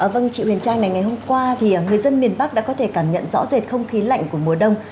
vâng chị huyền trang này ngày hôm qua thì người dân miền bắc đã có thể cảm nhận rõ rệt không khí lạnh của mùa đông